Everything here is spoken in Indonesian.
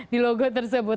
di logo tersebut